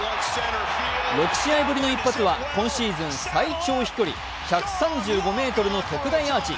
６試合ぶりの一発は、今シーズン最長飛距離１３５ｍの特大アーチ。